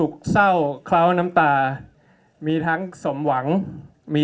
บัญชาต่อไปวันนี้